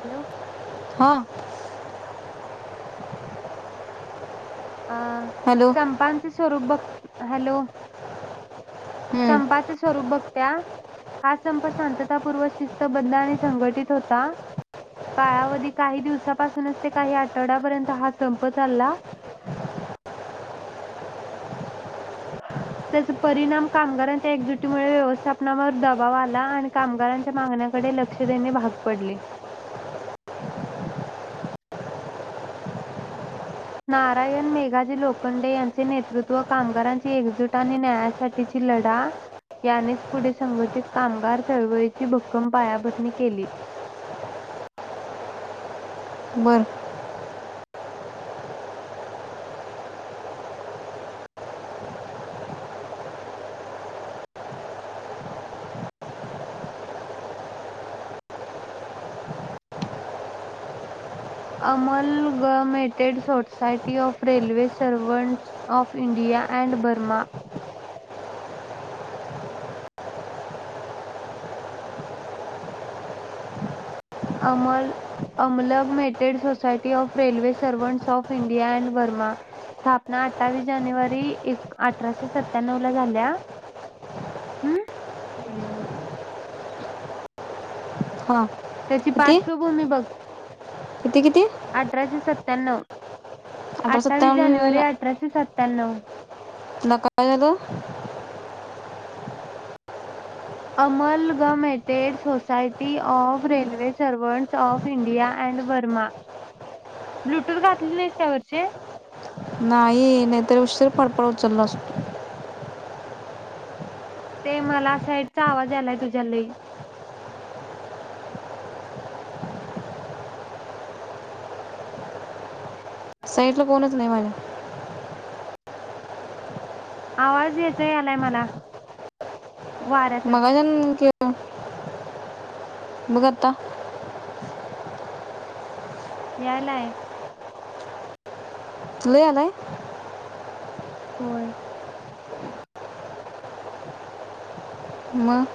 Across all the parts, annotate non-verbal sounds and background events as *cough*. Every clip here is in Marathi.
हॅलो हा अ हॅलो संपांचे स्वरूप बघ हॅलो *unintelligible* हम्म, संपाचे स्वरूप बघत्या हा संप शांततापूर्व, शिस्तबद्ध आणि संघटित होता. *unintelligible* काळावधी काही दिवसापासूनच ते काही आठवड्यापर्यंत हा संप चालला. त्याचा परिणाम कामगारांच्या एकजुटीमुळे व्यवस्थापनावर दबाव आला आणि कामगारांच्या मागण्याकडे लक्ष देणे भाग पडले. नारायण मेघाजी लोखंडे यांचे नेतृत्व कामगारांची एकजूट आणि न्यायासाठी तिची लढा यानेच पुढे संघटित कामगार चळवळीची भक्कम पायाभरणी केली. बर amalgamated society of railway servants of India and Burma अमर amalgamated society of railway servants of India and Burma स्थापना अठ्ठावीस जानेवारी एक अठराशे सत्त्याण्णव ला झाल्या. हम्म *inaudible* हां त्याची पार्श्वभूमी बघ- किती किती अठराशे सत्त्याण्णव अठरा अठ्ठावीस जानेवारी सत्तावन्न अठराशे सत्त्याण्णव नकाय झालं amalgamated society of railway servants of India and Burma Bluetooth घातली नाहीस का वरचे नाही नाहीतरी उशीरी पडपड उचलला असतो. ते मला साईडचा आवाज आलाय तुझ्या लई साईटला कोणच नाही माझ्या आवाज येते यायलाय मला वाऱ्याचा मगाजन क भघता यायलाय लयालाय होय ह म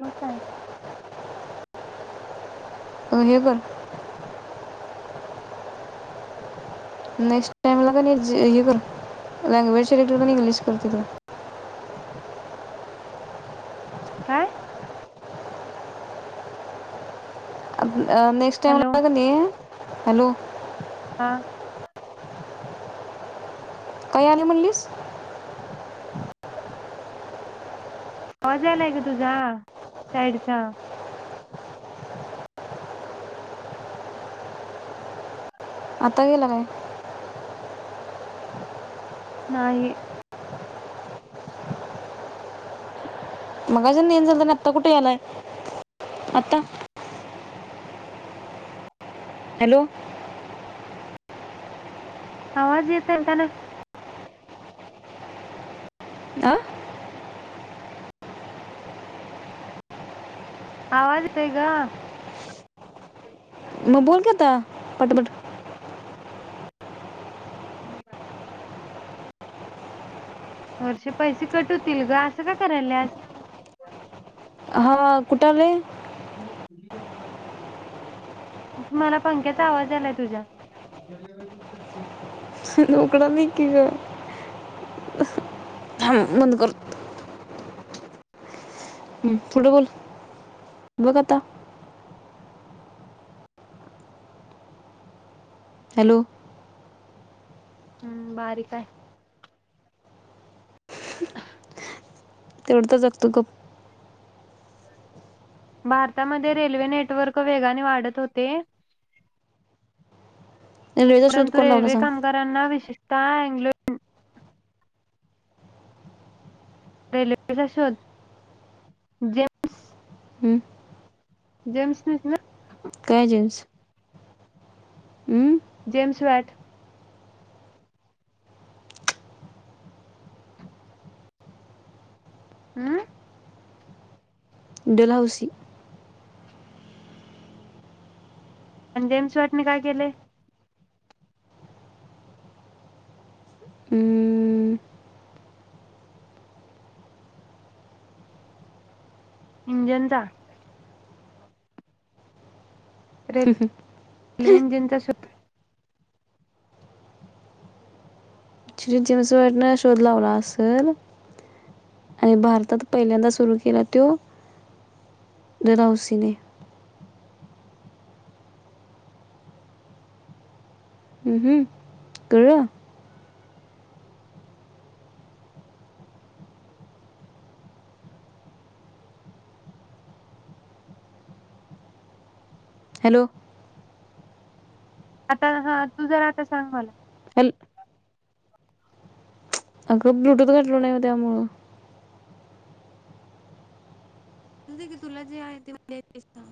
म काय उभेप नेक्स्ट टाइमला का हे कर लँग्वेज िरेक्टर इंग्लिश कर तिथला काय नेक्स्ट टाइम हॅलो ला कणी हॅलो हा काही आले म्हणलीस आवाज यायलाय ग तुझा साईटचा आता गेला काय नाही *inaudible* मगा ज नन जाल आता कुठे यालाय आता हॅलो आवाज येतय का ना आ आवाज येतय का मग बोल की आता पटपट *inaudible* वर्षे पैसे कट होतील ग अस का करायलास? हा कुठेल वे? त ह अभ्याय कर *unintelligible* *unintelligible* मला पंख्याचा आवाज आलाय तुझ्या. सर्व कड नाही की ग? ह *unintelligible* थाब बंद करतो. हम्म, पुढ बोल बघ आता. हॅलो. हम्म बारीक आहे. तेवढ जगतो गप. भारतामध्ये रेल्वे नेटवर्क वेगाने वाढत होते. रेचा शोध परंतु कोण लावला रेल्वे सांग कामगारांना विशेशता रेल्वेचा शोध जे हं, जेम्स निसना? काय जेम्स? हम्म. James VAT. हम्म. डलहौसी. आणि जेम्स वाॅटने काय केलेय? हम्म. इंजनचा रेल्वे इंजिनचा स च जेम्स वाॅटन शोध लावला असेल आणि भारतात पहिल्यांदा सुरू केला तो डलहौसीने. हम्म, हम्म, कळलं. हॅलो. आता हा तू जरा आता सांग मला. हॅलो. अगं ब्लूटूथ घालुन ये उद्या म.. की तुला जे आहे ते सांग.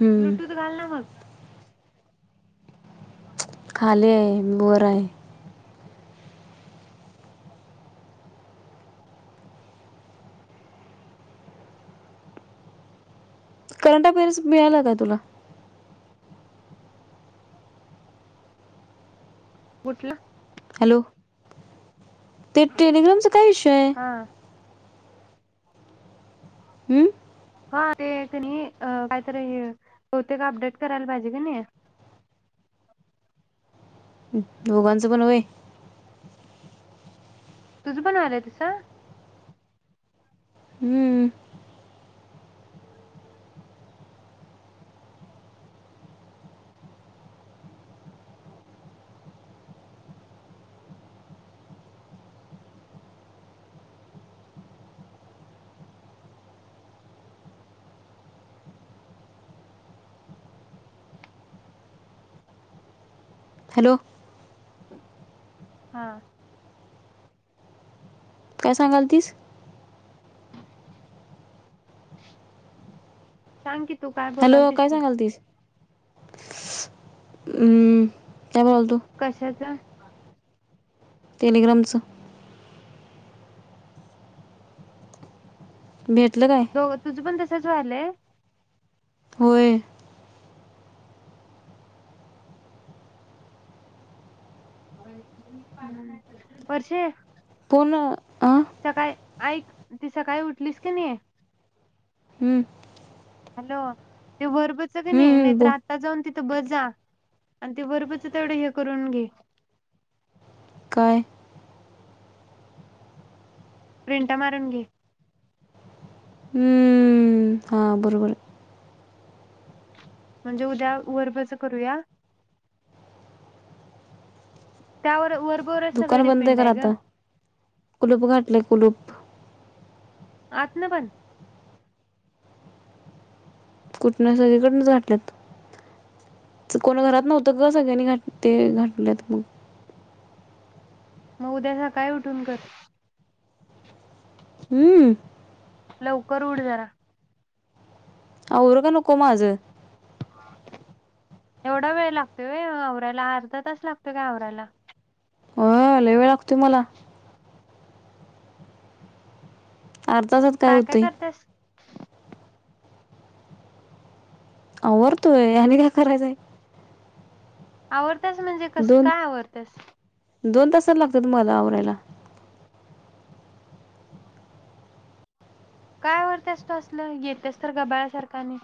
हं, ब्लूटूथ घालना मग. खाली आहे मी वर आहे. करंट अफेअर्स मिळाला का तुला? कुठलं? हॅलो, ते ट्रेलिग्रामचा काय विषय आहे? हा.. हम्म. हा ते आहे काणी काहीतरी बहुतेक अपडेट करायला पाहिजे का नाही. दोघांचं पण होय. तुझं पण आलय आहे तस? हम्म. हॅलो. हा.. काय सांगालतीस? सांग की तू काय बोलालतीस की? हम्म, काय म्हणतो. कशाचा? टलिग्रॅमच. भेटलं काय. हो तुझं पण तसंच व्हालंय. होय. वर्षे. फोन आ. सकाळी ऐक ती सकाळी उठलीस की नी हम्म. हॅलो ते वर्बच की नी हं, नाहीतर बो आता जाऊन तिथ बजा आणि ते वर्बच तेवढं हे करून घे. काय? प्रिंटा मारून घे. हम्म. हा बरोबराय. म्हणजे उद्या वर्बच करूया. त्यावर वर्बवरच सगळं दुकान बंद आहे का डिपेंडाय ग आता कुलूप घाटलय कुलूप. आतन पण. कुठन सगळीकडनच घाटल्यात. कोण घरात नव्हतं ग सगळ्यांनी घाट ते घाटल्यात मग. मग उद्या सकाळी उठून कर. हम्म. लवकर उठ जरा. आवरु का नको माज. एवढा वेळ लागतो वय आऔऱ्याला अर्धा तास लागतोय काय आवऱ्याला. होयहोय वेळ लागतोय मला. अर्ध्या तासात काय होतंय. आवरतोय आणि काय करायचंय. आवरत्यास म्हणजे कस दोन काय आवरत्यास. दोन तासात लागत्यात मला आवरायला. काय आवरत्यास तु असल येत्यास तर गबाळ्यासारक आणि.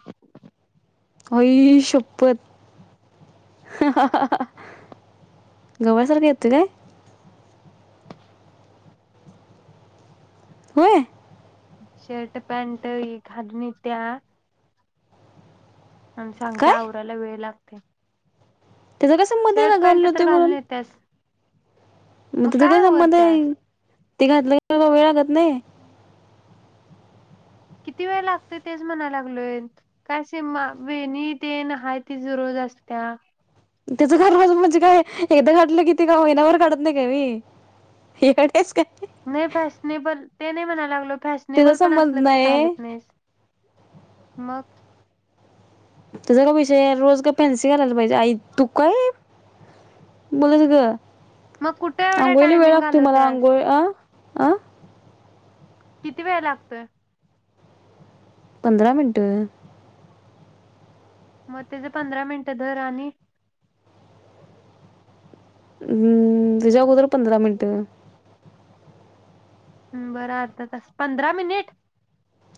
आई शप्पथ. गबाळ्यासारख येतोय काय. होय. शर्ट पॅन हि घालुन इत्या आणि सांगत्या काय आवरायला वेळ लागतोय. त्याचं कसं मध्ये शर्ट आहे का पॅन्ट घालून तर येतोय म्हणून. येत्यास मग तिथ काय संमत आहे ते घातलं वेळ लागत नाही. किती वेळ लागतोय तेच म्हणायला लागलोय. काय सीमा वेणी तेन हाय तिच रोज असत्या. तिचं घरन म्हणजे काय एकदा घातलं की ती का महिनाभर काढत नाही का मी हकड काच काय. नाही फॅशनेबल ते नाही म्हणायला लागलो त्याचा फॅशनेबल पण संबंध असल काय नाही घालत नाहीस. मग. त्याचा का विषयाय रोज का फॅन्सि घालायलाय पाहिजे आई तू काय. बोलत कि ग मग कुठे एवढा आंघोळीला वेळ टायमिंग लागतोय मला घालवत्यास आंघोळी अ किती वेळ लागतोय. पंधरारा मिनटं. मग त्याचे पंधरा मिनिटं र आणि हम्म ते अगोदर पंधरा मिनिटं. बरा अर्धा तास पंधरा मिनिट.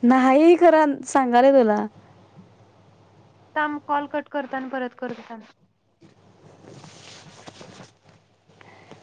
नाही खरं सांग आलोय तुला थांब कॉल कट करतो परत लावतो.